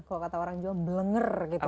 kalau kata orang jawa belenger gitu kan